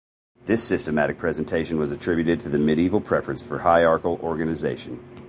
This systematic presentation was attributed to the Medieval preference for hierarchal organization.